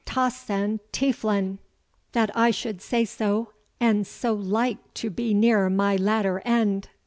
"TAUSEND TEIFLEN! that I should say so, and so like to be near my latter end!"